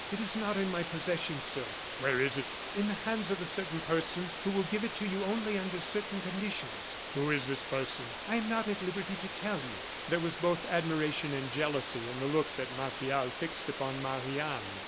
"It is not in my possession, sir." "Where is it?" "In the hands of a person who will give it to you only under certain conditions." "Who is this person?" "I am not at liberty to tell you." There was both admiration and jealousy in the look that Martial fixed upon Marie Anne.